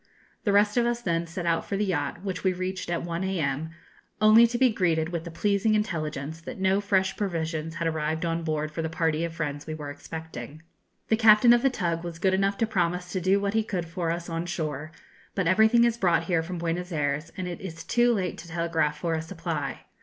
The rest of us then set out for the yacht, which we reached at 1 a.m., only to be greeted with the pleasing intelligence that no fresh provisions had arrived on board for the party of friends we were expecting. The captain of the tug was good enough to promise to do what he could for us on shore; but everything is brought here from Buenos Ayres, and it is too late to telegraph for a supply.